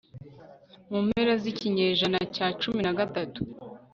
mu mpera z'ikinyejana cya cumi na gatanu